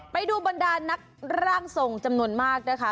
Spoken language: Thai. ไปดูบรรดานักร่างทรงจำนวนมากนะคะ